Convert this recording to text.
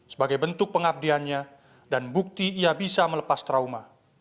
sebagai bentuk pengabdiannya dan bukti ia bisa melepas trauma